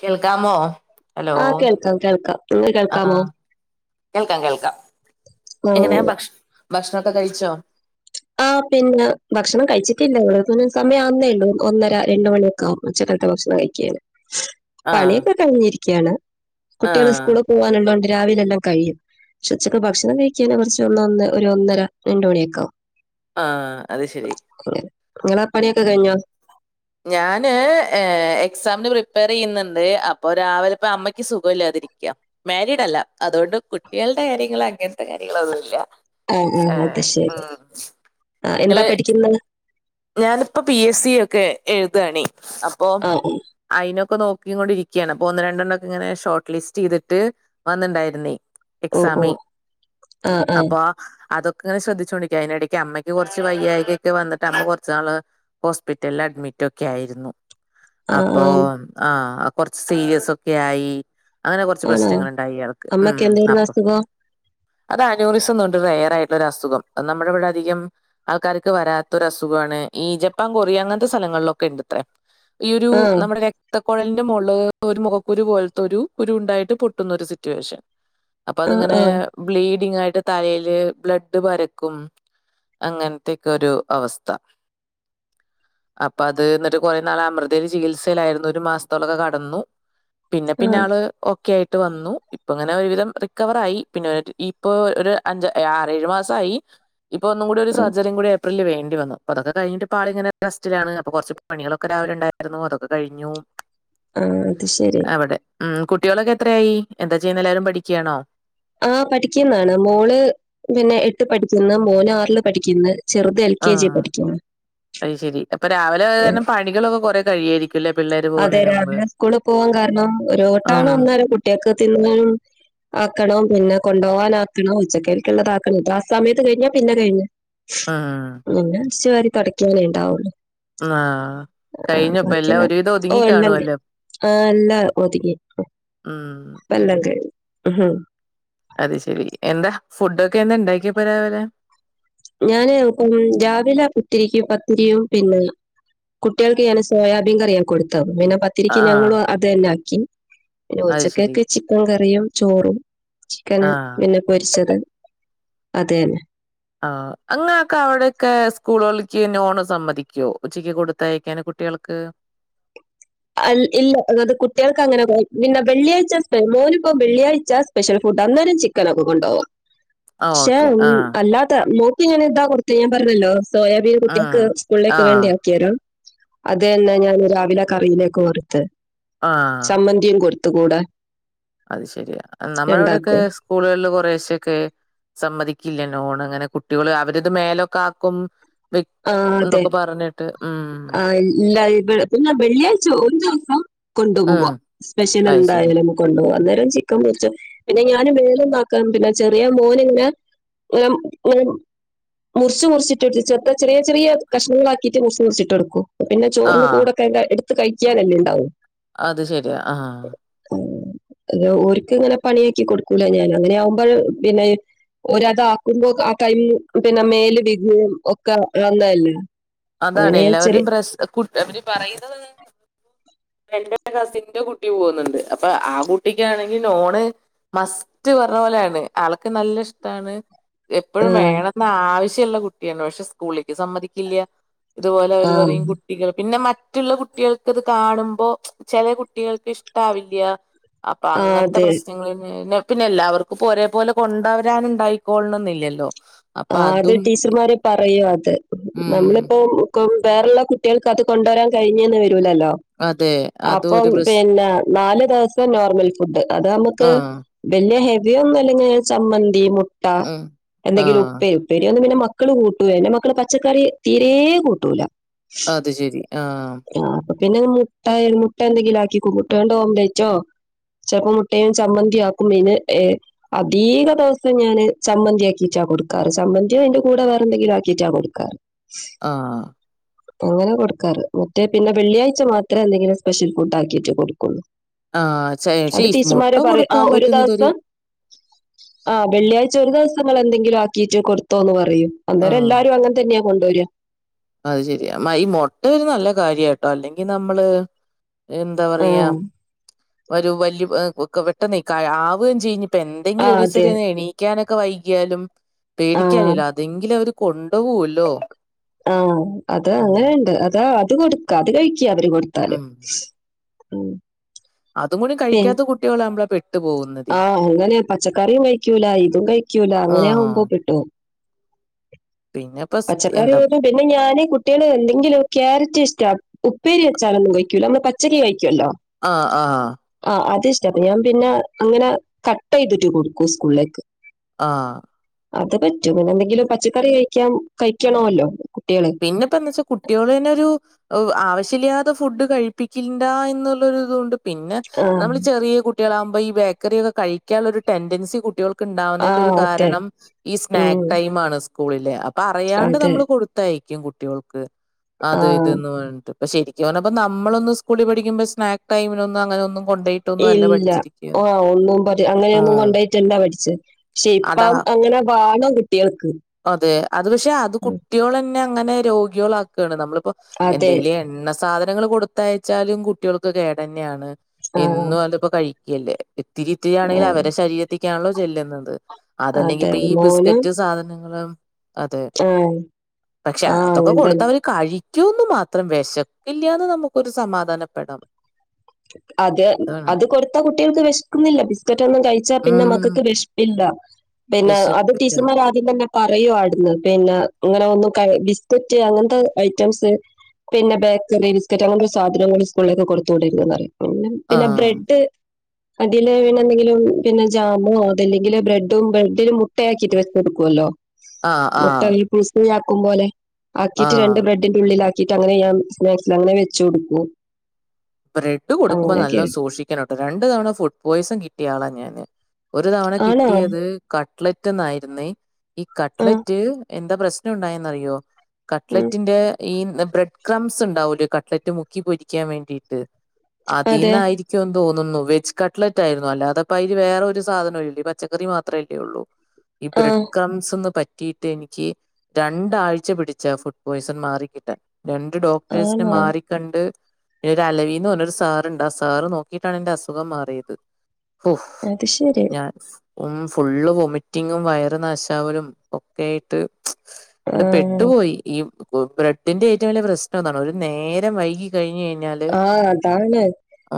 കേൾക്കാമോ ഹലോ ആ കേൾക്കാം കേൾക്കാം നിങ്ങൾക്ക് ആ കേൾക്കാമോ കേൾക്കാം കേൾക്കാം ഓ, എങ്ങനെയാ ഭക്ഷ ഭക്ഷണൊക്കെ കഴിച്ചോ ആഹ് പിന്നെ ഭക്ഷണം കഴിച്ചിട്ടില്ല എവിടെപ്പിന്നെ സമയാന്നേള്ളൂ ഒന്നര രണ്ട മണിയൊക്കെ ആവും ഉച്ച- കത്തെ ഭക്ഷണംകഴിക്കാന് ആഹ് പണിയൊക്കെ കഴിഞ്ഞിരിക്കാണ് കുട്ടികള് ആഹ് സ്കൂളി പോവാനൊള്ളോണ്ട് രാവിലെല്ലാം കയ്യും പക്ഷെ ഉച്ചക്ക് ഭക്ഷണം കഴിക്കാന കൊറച്ച് ഒന്ന് ഒ ഒരു ഒന്നര രണ്ടണിയൊക്കാവും ആഹ് അത് ശരി ഇങ്ങളെ പണിയൊക്കെ കഴിഞ്ഞോ ഞാന് എക്സാമിന് പ്രിപ്പയറെയ്യുന്നുണ്ട് അപ്പൊ രാവിലെ ഇപ്പ അമ്മയ്ക്ക് സുഖവില്ലാതായ് രിക്ക മാരിഡല്ല അതുകൊണ്ട് കുട്ടികളുടെ കാര്യങ്ങള് അങ്ങനത്തെ കാര്യങ്ങള് ഒന്നുല്ല ആ ആ അത് ഏഹ് ഉം ശരി ആ എന്താ ഇങ്ങള് പഠിക്കുന്നത് ഞാനിപ്പോ പി എസ് സി ഒക്കെ എഴുതാണേ അപ്പൊ ആ ആ, അയിനൊക്കെ നോ- കിക്കൊണ്ടിരിക്കാണ് അപ്പൊ ഒന്ന് രണ്ടെണ്ണോക്കെ ഇങ്ങനെ ഷോർട്ട് ലിസ്റ്റ് ചെയ്തിട്ട് വന്നിണ്ടാര്ന്നെ ഓ ഓ എക്സാമെ ആ ആ അപ്പൊ അതൊക്കെങ്ങിനെശ്രദ്ധിച്ചോണ്ടിക്ക അതിനിടക്ക് അമ്മയ്ക്ക് കൊറച്ച് വയ്യായ്കെക്കെ വന്നിട്ട്മ്മ കൊ- കുറച്ചു നാൾ ഹോസ്പിറ്റല അഡ്മിറ്റ് ഒക്കെ ആയിരുന്നു ആ അപ്പ ആ ആഹ് കൊറച്ച് സീരിയസ് ഒക്കെ ആയി അങ്ങനെ കൊറച്ച് ആണോ പ്രശ്നങ്ങളൊണ്ടായി ഇയാൾക്ക് ഉം അമ്മക്ക് എന്തായിരുന്നു അപ്പൊ അസുഖം അത് അനോറിസൊണ്ടറിഞ് വേറായിട്ടുള്ള ഒരു അസുഖം നമ്മുടെ ഇവിടെ അധികം ആൾക്കാർക്ക് വരാത്തൊരസുഖ- ഖാണ് ഈ ജപ്പാൻ കൊറിയ അങ്ങനത്തെ സ്ഥലങ്ങളിലൊക്കെ ഇണ്ടത്രേ ഈ ഒരു ആ നമ്മുടെ രക്ത കൊഴലിന്റെ മോള് ഒരു മുഖക്കുരു പോലത്തെ ഒരു കുരു ഉണ്ടായിട്ട് പൊട്ടുന്നൊരു സിറ്റുവേഷൻ അപ്പൊ ആ ആ അത്ങ്ങനെ ആ ബ്ലീ ങ്ങായിട്ട് തലയില് ബ്ലഡ് പരക്കും അങ്ങനത്തെക്കെരു അവസ് ത്ത അപ്പൊ അത് എന്നിട്ട് കൊറേനാള് അമൃതേല് ചികിത്സേലായിരുന്നു ഒരു മാസത്തോളൊക്കെ കടന്നു പിന്നെ ആ പിന്നെ ആള് ഒക്കെയായ് ട്ട് വന്നു ഇപ്പിങ്ങനെ ഒരുവിധം റിക്കവറായി പിന്നെ ഇപ്പൊരു അഞ്ച് ആറേഴു മാസായി ഇപ്പ ഒന്നും കൂടി ഒരു ആ സർജറികൂടി ഏപ്പ്രിലിൽ വേണ്ടിവന്നു അപ്പ അതൊക്കെ കഴിഞ്ഞിട്ട് ഇപ്പാളിങ്ങനെ റസ്റ്റിലാണ് അപ്പൊ കൊറച്ച് പണികളൊക്കെ രാവിലെണ്ടാരുന്നു അതൊക്കെ കഴിഞ്ഞു. ആഹ് അത് ശരി അവിടെ ഉം കുട്ടികളൊക്കെ എത്രയായി എന്താ ചെയ്യുന്ന എല്ലാരും പഠിക്കാണോ ആഹ് പഠിക്കുന്നാണ് മോള് പിന്നെ എട്ട് പഠിക്കുന്ന് മോന് ആറില് പഠിക്കുന്ന് ചെറുത് എൽ കെ ജി ആഹ് പഠിക്കുന്ന്. അയ്ശരി അപ്പ രാവിലെ ഉം. കാരണം പണികളൊക്കെ കൊറെ കഴിയാരിക്കും അതെ രാവിലെ ഉസ്കൂളിൽ പോവാകാരണം ഉം ഒരോട്ടാണ് അന്നാല കുട്ടിക്ക് തിനാന്നും ആക്കണോം പിന്നെ കൊണ്ടോവാൻ ആക്കണൊ ഉച്ചക്കരിക്കുള്ളതാക്കണം ഇത്രാ സമയത്ത് കഴിഞ്ഞ പിന്നെ കഴിഞ്ഞ് ഉം ഉം അടിച്ചവാരി തൊടയ്ക്കാനെ ഇണ്ടാവു ആഹ് കഴിഞ്ഞൊപ്പ എല്ലാവൊര് ഓ ഇല്ലങ്കൈ ആഹ് അല്ലാ ഒതിങ്ങി ഉം ഇപ്പെല്ലാങ്കയ്ഞ് ഇഹ് അത് ശെരി എന്താ ഫുഡൊക്കെ എന്താ ഇണ്ടാക്കിയാ പോ രാവിലെ ഞാന് ഉം രാവിലെ കുത്തിരിക്ക് പത്തിരിയും പിന്നെ കുട്ടികൾക്ക് ഞാൻ സോയാബീൻ കറിയാകൊടുത്തവർക്ക് പിന്നെ പത്തിരിക്ക് ആഹ് ഞങ്ങളു അത് തന്നെ ആക്കി പിന്നെ അത് ശരി ഉച്ചക്കൊക്കെ ചിക്കൻ കറിയും ചോറും ചിക്കന് ആഹ് പിന്നെ പൊരിച്ചത് അത് ന്നെ ആഹ് അങ്ങക്കെ അവടെക്കെ സ്കൂളുകളക്ക് നോണ് സമ്മതിക്കൊ ഉച്ചക്ക് കൊടുത്തയക്കാന് കുട്ടിക ൾക്ക് അൽ ഇല്ല അത് കുട്ടികൾക്ക് അങ്ങനെ കു പിന്നെ വെള്ളിയാഴ്ച മോനിപ്പോ വെള്ളിയാഴ്ച സ്പെഷ്യൽ ഫു ഡാ അന്നേരം ചിക്കനൊക്കെ കൊണ്ടോവാം ആഹ് ക്ഷെ ഓക്കെ ആഹ് അല്ലാതെ മോ ക്ക് ഞാനിത കൊട്ത്തെ ഞാൻ പറഞ്ഞല്ലോ സോയാബീൻ ഉം കുട്ടീക്ക് സ്കൂളിലേക്ക് ആഹ് വേണ്ടിയ ആക്കിയരോ അതനെ ഞാൻ രാവിലെ കറിയിലേക്കു കൊട്ത്ത് ആഹ് ചമ്മന്തിം കൊടുത്ത് ത്ത് കൂടെ അത് ശരിയാ നമ്മടെവിടെക്കെ ഉണ്ടാക്കും സ്കൂളുകളില് കുറശ്ശൊക്കെ സമ്മതി ക്കില്ല ലോണ് അങ്ങനെ കുട്ടികള് അവരത് മേലൊക്കെ ആക്കും വി ആ അതെ എന്നൊക്കെ പറഞ്ഞിട്ട് ഉം [unintelligible] രു ദിവസം ഉം. കൊണ്ടുപോക സ്പെഷ്യൽ അത് ശരി. എന്തായാലും കൊണ്ടുപകവാ അന്നേരം ചിക്കൻ മുച്ച് പിന്നെ ഞ അന് മേലന്നാക്കും പിന്നെ ചെറിയ മോനിങ്ങനെ [unintelligible] മുറിച്ച് മുറിച്ചിട്ട്ട്ട് ചെറ് ചെറിയ ചെറിയ കഷ്ണങ്ങളാക്കീട്ട് മുറ്ച്ച് മുറ്ച്ചിട്ടോട്ക്കും പിന്നെ ചോറ്ന് ആഹ്. കൂടെ ക ട്ത്ത് കഴിക്ക്യാനല്ലേണ്ടാവൂ അത് ശരിയാ ആ അത് ഒര്ക്ക്ങ്ങനെ പണിയാക്കി കൊട്ക്കൂല ഞാൻ അങ്ങനെയാവുമ്പൾ പിന്നെ ഒര്താക്കുമ്പോ ആ ടൈമ് പിന്നെ മേല് വികും ഒക്കെ ആവുന്നല്ലേ അതാണ് എല്ലാവരും പ്രസ് കുട്ട് അവര് പറയുന്ന എന്റെ കസിന്റെ കുട്ടി പോകുന്നുണ്ട് അപ്പൊ ആ കുട്ടിക്കാണങ്കി നോണ് മസ്റ്റ് പറഞ്ഞപോലെയാണ് ആൾക്ക് നല്ല ഇഷ്ടാണ് ആ എപ്പഴും വേണന്ന് ആവശ്യള്ള കുട്ട്യാണ് പക്ഷെ സ്കൂളിക്ക് സമ്മതിക്കില്ല ഇതുപോലെ ആ അവര് പറയും കുട്ടികൾ പിന്നെ മറ്റ്ള്ള കുട്ടികൾക്കത് കാണു മ്പോ ചെല കുട്ടികൾക്ക് ഇഷ്ടവില്ല അപ്പൊ ആ അങ്ങനത്തെ അതെ പ്രശ്നങ്ങളിന് പിന്നെ എല്ലാവർക്കുപ്പോ ഒരേ പോലെ കൊണ്ടോരാന് ഉണ്ടായിക്കോളണന്നില്ലല്ലോ ആ അത് ടീച്ചർമാര് പറയൂ അത് ഉം നമ്മളിപ്പോ വേറെള്ള കുട്ട്യള്ക്ക് അത് കൊണ്ടോരാൻ കഴിഞ്ഞ്ന്ന് വരൂലല്ലോ അതെ അതും അപ്പം ഒരു പ്രശ് പിന്നെ നാല് ദെവസം നോർമൽ ഫുഡ് അത് ആ. നമക്ക് വ ല്ല്യ ഹെവി ഒന്നും അല്ലെങ്കിങ്ങനെ ചമ്മന്തി മുട്ട ഉം. ആ. എന്തെങ്കിലും ഉപ്പേ ഉപ്പേരിയൊന്നും പിന്നെ മ മക്കള് കൂട്ടൂലയിന് മക്കള് പച്ചക്കറി തീരെ കൂട്ടൂല അത് ശെരി ആ ആഹ് അപ്പൊ പിന്നെ മുട്ട മുട്ട എന്തെങ്കിലാക്കിക്കും മുട്ട്യോണ്ട് ഓബ്ലെറ്റോ ചെലപ്പോ മുട്ടയും ചമ്മന്തിയാക്കും ഏ അധീക ദെവസം ഞാന് ചമ്മന്തിയാക്കീട്ടാ കൊട്ക്കാറ് ചമ്മന്തിയോ അയിന്റെ കൂടെ വെറെന്തെങ്കിലാക്കീട്ടാ കൊട്ക്കാറ് ആ അങ്ങനെ കൊട്ക്കാറ് മറ്റേ പിന്നെ വെള്ളിയാഴ്ച മാത്രേ എന്തെങ്കിലും സ്പെഷ്യൽ ഫുഡാക്കീട്ടേ കൊട്ക്കൊള്ളു ആ. ചെ പക്ഷേ അത് ഈ മുട്ട ടീച്ചർമാരെ പറ ആ കൊടുക്കാൻ ഒര് പറ്റുന്നതൊരു ദെവസം ആഹ് വെള്ളിയാഴ്ച ഒരു ദെവസങ്ങള്ന്തെ ങ്കിലും ആക്കീട്ട് കൊടുത്തോന്ന് പറയും ആ. അന്നേരം എല്ലാരും അങ്ങനെതന്നെ കൊണ്ടോര അത് ശെരിയാ ഈ മൊട്ടൊരു നല്ല കാര്യട്ടോ അല്ലെങ്കി നമ്മള് എന്താ ആ പറയാ ഒരു വല്ല്യ ഹ് ക് പെട്ടെന്നെ ക ആവേയും ചെയ ആ ഇതെന്തെങ്കിലും അതെ ഒരീസൊരു എണീക്കാനൊക്കെ വൈകിയാലും ആ പേടിക്കാലല്ലോ അതെങ്കിലവര് കൊണ്ട് പോവല്ലോ ആ അത് അങ്ങനെണ്ട് അതാ അത് കൊട്ക്ക അത് കഴിക്ക അവര് കൊട്ത്താല് ഉം. ഉം അതും കൂടി കഴിക്കാത്ത കുട്ട്യളാവുമ്പളാ പെ ആഹ് അങ്ങനെ പച്ചക്കറിം കഴിക്കൂല ഇതും കഴിക്കൂല ആ. അങ്ങനെയാവുമ്പോ പെട്ടോവും പിന്നെപ്പോ സ് എന്താ പച്ചക്കറിയോല് പിന്നെ ഞാന് കുട്ട്യാള് എന്തേങ്കിലും ക്യാരറ്റ് ഇഷ്ടാ ഉപ്പേരി വെ ച്ചാലൊന്നും കഴിക്കൂല്ല നമ്മള് പച്ചേരി കഴിക്ക്യല്ലോ ആ ആഹ് അത് ഇഷ്ടാ ഞാൻ പിന്നെ അങ്ങനെ കട്ട്യ്തിട്ട് കൊട്ക്കു സ്കൂള്ലേക്ക് ആ അത് പറ്റും പിന്നെന്തെങ്കിലും പച്ചക്കറി കഴിക്കാൻ കഴിക്കണോല്ലോ പിന്നെപ്പന്ന് വെച്ചാ കുട്ട്യാള്നൊരു ഓ ആവശ്യല്ലാതെ ഫുഡ് കഴിപ്പിക്ക്ണ്ടാ എന്നുള്ളൊരുതുണ്ട് പിന്നെ ആഹ് നമ്മൾ ചെറിയ കു കുട്ട്യാളാകുമ്പോ ഈ ബേക്കറിയക്കെ കഴിക്കാള്ളൊരു ടെൻഡൻസി കുട്ടികൾ ക്ക് ഉണ്ടാവ്ന്നതിൻ്റെ ഒരു ആഹ് അതെ. കാരണം ഈ ഉം സ്നാക്ക് ടൈമാണ് സ്കൂളിലെ അപ്പൊ അറിയാണ്ട് അതെ. നമ്മള് കൊടു കഴിക്കും കുട്ടികൾക്ക് അത് ഇത് ആഹ് ന്ന് പറഞ്ഞിട്ട് പ ശരിക്ക് പറഞ്ഞാപ്പോ നമ്മളൊന്ന് സ്കൂളിൽ പഠിക്കുമ്പോ സ്നാക്ക് ടൈമിനൊന്നങ്ങനൊന്നും ഇല്ല ആ ഒന്നും പ അങ്ങനെയൊന്നും ഉം കൊണ്ടോയിട്ടല്ല പഠിച്ചേ പക്ഷെ അതാ ഇപ്പം അങ്ങ ങ്ങനെ ബാണം കുട്ട്യാള്ക്ക് അതെ. അത് പക്ഷെ അത് കുട്ട്യാളെന്നെ അങ്ങനെ രോഗ്യാള് ആക്കാണ് നമ്മളിപ്പോ അതെ. എന്തേലും എണ്ണ സാധനങ്ങള് കൊട്ത്തയച്ചാലും കുട്ട്യാള്ക്ക് കേടെന്നെയാണ് ആഹ് എന്നും അത്പ്പോ കഴിക്കല്ലേ ഇത്തിരിത്തിരിയാണെങ്കിലും ആഹ് അവരെ ശരീരത്തിക്കാണല്ലോ ചെല്ലുന്നത് അതല്ലെങ്കി അതെ പ്പൊ ഈ ബിസ്ക്കറ്റ് സാധനങ്ങളും ആ പക്ഷെ അ അതൊക്കെ കൊടുത്തവര് കഴി റ്റൊന്നു മാത്രം വെശക്കില്ലാന്ന് നമുക്കൊരു സമാധാനപ്പെടാം അത് അതാണ്. അത് കൊടുത്താ കുട്ടികൾക്ക് വെശ്ക്കുന്നില്ല. ബിസ്ക്കറ്റ് ഒന്നും കഴിച്ചാ പിന്നെ ഉം. മക്കൾക്ക് വെശ്‌പില്ല. പിന്നെ അത് വിശപ്പില്ല. ടീച്ചർമാർ ആദ്യം തന്നെ പറയോട്ന്ന് പിന്നെ അങ്ങനെ ഒന്നും കഴി ബിസ്കറ്റ് അങ്ങൻത്തെ ഐറ്റംസ് പിന്നെ ബേക്കറി, ബിസ്കറ്റ് അങ്ങൻത്തെ സാധനങ്ങൾ സ്കൂളിലേക്ക് കൊടുത്തു വിടരുതെന്ന് പറയും പിന്നെ പിന്നെ ആഹ്. ബ്രെഡ് അതില് പിന്നെന്തെങ്കിലും പിന്നെ ജാമോ അതല്ലെങ്കില് ബ്രെഡും ബ്രെഡിൽ മുട്ടയാക്കിട്ട് വെച്ച് കൊടുക്കും [unintelligible] ല്ലോ ആഹ് മുട്ട ആഹ് [unintelligible] ആക്കും പോലെ ആക്കിട്ട് ആഹ്. രണ്ട് ബ്രെഡിന്റെ ഉള്ളിലാ ക്കിട്ടങ്ങനെ ഞാം സ്നാക്സ് ലങ്ങനെ വെച്ച് കൊടുക്കും. ബ്രെഡ് കൊടുക്കുമ്പോ അങ്ങനെയൊക്കെ നല്ലോം സൂക്ഷിക്കണം ട്ടോ രണ്ട് തവണ ഫുഡ് പോയിസൺ കിട്ടിയ ആളാ ഞാന് ഒരു തവണ ആണോ കിട്ടിയത് കട്ലറ്റ്ന്നായിരുന്നേ ഈ ആ കട്ട്ലറ്റ് എന്താ പ്രശ്നം ഉണ്ടായന്നറിയോ ഉം കട്ലെറ്റിന്റെ ഈ [unintelligible] ബ്രെഡ് ക്രംസ് ഉണ്ടാവുല്ലേ കട്ട്ലറ്റ് മുക്കി പൊരിക്കാൻ വേണ്ടിട്ട് അതെ അതീന്നായിരിക്കും തോന്നുന്നു വെജ് കട്ട്ലറ്റ് ആയിരുന്നു അല്ലാതെപ്പയ്ല് വേറെ ഒരു സാധനം ഇല്ല പച്ചക്കറി മാത്രല്ലേ ഉള്ളൂ ഈ ബ്രഡ് ആഹ് കംസ്ന്ന് പ കിട്ടിയെനിക്ക് രണ്ടാഴ്ച പിടിച്ച ഫുഡ് പോയ്സൺ മാറി കിട്ടാൻ രണ്ട് ഡോക്ടേഴ്സിനെ ആണോ മാറിക്കണ്ട് ദ അലവീന്ന് പറഞ്ഞൊരു സാറ്ണ്ട് ആ സാറ് നോക്കിയിട്ടാണെൻ്റെ അസുഖം മാറിയത് ഹോ അത് ശരി ഞാൻ ഉം ഫുള്ള് വൊമിറ്റിങ്ങും വയറ് നാശാവലും ഒക്കെ ആയിട്ട് അത് ആഹ് പെട്ടുപോയി ഈ ഓ ബ്രഡിന്റെ ഏറ്റം വലിയ പ്രശ്നതാണ് ഒരു നേരം വൈകി കഴിഞ്ഞ് കഴിഞ്ഞാ ആ അതാണ്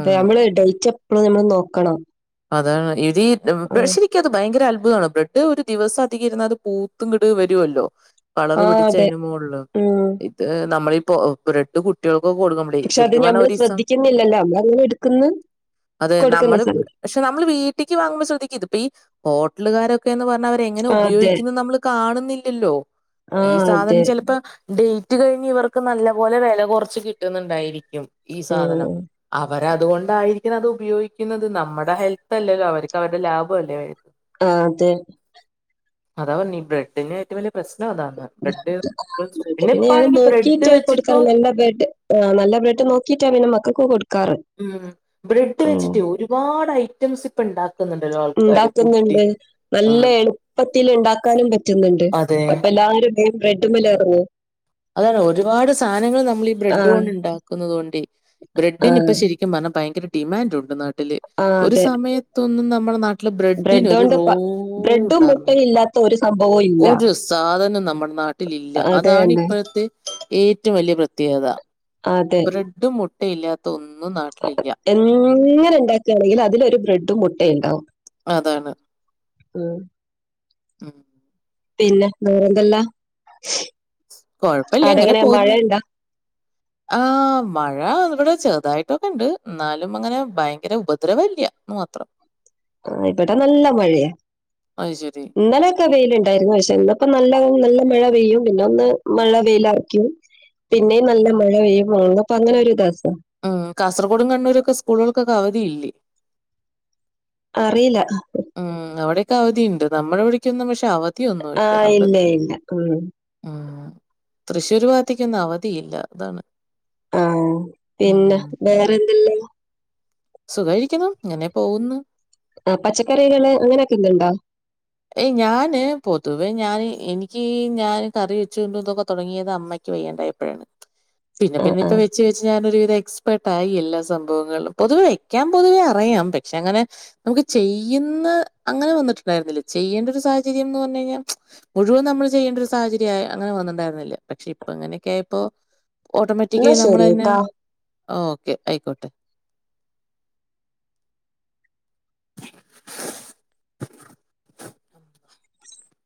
പ്പ നമ്മള് ഡയിച് എപ്പളും നമ്മള് നോക്കണം അതാണ് എടീ ആഹ് [unintelligible] ഇരിക്കാ അത് ഭയങ്കര [unintelligible] ബ്രെഡ് ഒരു ദിവസം അധികം ഇര്ന്നാ അത് പൂത്ത്ങ്ങട്ട് വരുവല്ലോ കളർ ആഹ് പിടിച്ച അതെ അയ്ൻ്റെ മോള് ഉം ഇത് നമ്മളിപ്പോ ബ്രഡ് കുട്ടികൾ പ്പൊ കൊടുക്കമ്മളയ് പക്ഷെ അത് ശരിക്കും പറഞ്ഞ ഞമ്മള് ഒരീസം ശ്രദ്ധിക്കുന്നില്ലല്ലോ നമ്മളങ്ങനെ എടുക്കുന്ന് അത് കൊടുക്കുന്ന നമ്മള് സ പക്ഷെ നമ്മള് വീട്ട്ക്ക് വാങ്ങുമ്പോ ശ്രദ്ധിക്കും ഇത് പ്പൊ ഈ ഹോട്ടലുകാരൊ ന്ന് പറഞ്ഞ അവരെ എങ്ങനെ ആഹ് അതെ ഉപയോഗിക്കുന്നത് നമ്മള് കാണുന്നില്ലല്ലോ ഈ ആഹ് സാധനം അതെ ചെലപ്പോ ഡേ റ്റ് കഴിഞ്ഞ് ഇവർക്ക് നല്ല പോലെ വെല കൊർച്ച് കിട്ടുന്നുണ്ടായിരിക്കും ഈ സാധനം ഉം അ അവർ അതുകൊണ്ടായിരിക്കണം അത് ഉപയോഗിക്കുന്നത് നമ്മടെ ഹെൽത്ത് അല്ലേ അവർക്ക് അവരുടെ ലാഭം അല്ലേ ആ അതെ അതാ പറഞ്ഞ ബ്രെഡിൻ്റെ ഏറ്റവും വല്ലിയ അതാണ് പിന്നെ ഞാൻ ഇപ്പാണെങ്കി ബ്രെഡ് നോക്കീട്ടെ കൊടുക്കാ വെച്ചിട്ട് നല്ല ബ്രഡ് ആ നല്ല ബ്രഡ് നോക്കീട്ടേ ന്ന മക്കൾക്ക് കൊടു ഉം ബ്രെഡ് വെച്ചിട്ടേ ഒരുപാട് ഐറ്റംസ് ഇപ്പ ഇണ്ടാക്ക ഉണ്ടാക്കുന്നുണ്ട് നല്ല ഉം എളുപ്പത്തിൽ ഉണ്ടാക്കാനും പറ്റുന്നുണ്ട് അതെ അപ്പൊ എല്ലാവരുംെയിം റെഡ്മിലറന്നു. അതാണ് ഒരുപാട് സാധനങ്ങൾ നമ്മൾ ബ്രെഡ് ആഹ് കൊണ്ട് ഉണ്ടാക്കുന്നത് കൊണ്ട് ബ്രെഡിന് ഇപ്പ ആഹ് ശരിക്കും പറ്ഞ്ഞാ ഭയങ്കര ഡിമാൻഡ് ഉണ്ടെന്നാണ് ട്ടില് ആഹ് ഒരു സമയത്തൊന്നും നമ്മളെ നാട്ടില് ബ്രെഡ് ബ്രെഡിനൊരു കൊണ്ട് പ റോൾ ബ്രെഡും ഉണ്ടാ മുട്ടയും ഇല്ലാത്ത ഒരു സംഭവവും ഇല്ല ഒരു സാധനം നമ്മടെ നാട്ടില് ഇല്ല അതെ അതാണ് തന്നെ ഇപ്പ ദെ ഏറ്റം വല്ല്യ പ്രത്യേകത അതെ ബ്രെഡും മുട്ടിം ഇല്ലാത്ത ഒന്ന എങ്ങനെ ഉണ്ടാക്കുകയാണെങ്കിൽ അതിലൊരു ബ്രെഡും മുട്ടയും ഉണ്ടാവും അതാണ് ഉം. ഉ.. പിന്നെ വേറെ എന്തെല്ലാം കൊഴപ്പില്ലേ എങ്ങനെ പോകുന്നു ആഹ മഴ ഇവിടെ ചേ ഇതായിട്ടൊക്കെ ഉണ്ട് എന്നാലും അങ്ങനെ ഭയങ്കര ഉപദ്രവല്ല മാത്രം ആ ഇവിടെ നല്ല മഴയാ അത് ശരി. ഇന്നലെയൊക്കെ വെയിലുണ്ടായിരുന്നു പക്ഷേ ഇന്നപ്പോ നല്ല നല്ല മഴ പെയ്യും പിന്നെ ഒന്ന് മഴ വെയില ആക്കും പിന്നെയ നല്ല മഴ പെയ്യും മുങ്ങപ്പ അങ്ങനെ ഒരു ഇതസ്ഥ ഉം കാസർഗോടും കണ്ണൂരൊക്കെ സ്കൂളുകൾക്കൊക്കെ അവധിയില്ലേ. അറിയില്ല.. ഉം അവിടെയൊക്കെ അവധിയുണ്ട് നമ്മുടെെവിടേക്കൊന്നും പക്ഷെ അവധ ആഹ ഇല്ല ഇല്ല ഉ തൃശ്ശൂര് ഭാഗത്താക്ക് അവധിയില്ല അതാണ് ആഹ പിന്നെ വേറെന്തല്ലോ... സുഖരിക്കണം ഇങ്ങനെ പോകുന്നു ആ പച്ചക്കറികള് അങ്ങനെയൊക്കെ ഇതുണ്ടോ ഏയ് ഞാന് പൊതുവേ ഞാൻ എനിക്ക് ഞാൻ കറി വെച്ച കൊണ്ടന്നൊക്കെ തുടങ്ങിയത് അമ്മയ്ക്ക് ്യണ്ടപ്പോഴാണ് പിന്നെ ആ പിന്നെ ആ ഇപ്പ വെച്ച് വെച്ച് ഞാനൊരു എക്സ്പർട്ട ആായി എല്ലാ സംഭവങ്ങളും പൊതുവെ വെക്കാൻ പൊതുവെ അറിയാം പക്ഷെ അങ്ങനെ നമുക്ക് ചെയ ഇന്ന് അങ്ങനെ വന്നിട്ടുണ്ടായിരുന്നില്ല ചെയ്യേണ്ട ഒരു സാഹചര്യം എന്ന് പറഞ്ഞു കഴിഞ്ഞാൽ മുഴുവൻ നമ്മള് ചെയ്യേണ്ട ഒരു സാഹചര്യം അങ്ങനെ വന്നിട്ടണ്ടായിരുന്നില്ല പക്ഷെ അപ്പൊ അങ്ങനെയൊക്കെയായിപ്പൊ എന്നാ ഓട്ടോമാറ്റിക്കായി നമ്മൾ ശരി തന്നെ കേട്ടോ ആ ഓക്കെ ആയിക്കോട്ടെ